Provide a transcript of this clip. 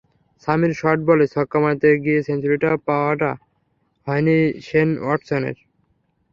Samir short বলে ছক্কা মারতে গিয়ে সেঞ্চুরিটা পাওয়া হয়নি শেন ওয়াটসনের।